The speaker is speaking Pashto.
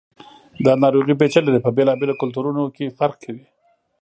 دا ناروغي پیچلي ده، په بېلابېلو کلتورونو کې فرق کوي.